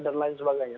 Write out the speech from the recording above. dan lain sebagainya